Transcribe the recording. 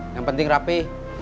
yang penting rapi